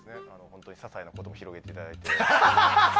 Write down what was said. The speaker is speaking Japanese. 本当に些細なことも広げていただいて。